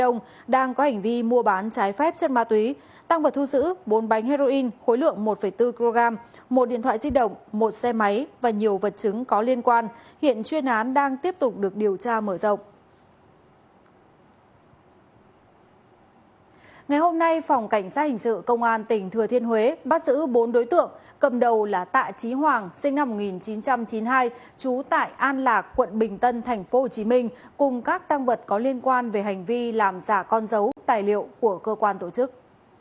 ngày hôm nay phòng cảnh sát hình sự công an tỉnh thừa thiên huế bắt giữ bốn đối tượng cầm đầu là tạ trí hoàng sinh năm một nghìn chín trăm chín mươi hai chú tại an lạc quận bình tân tp hcm cùng các tăng vật có liên quan về hành vi làm giả con dấu tài liệu của cơ quan tổ chức